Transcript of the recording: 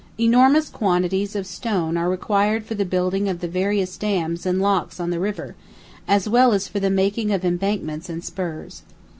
Enormous quantities of stone are required for the building of the various dams and locks on the river, as well as for the making of embankments and "spurs."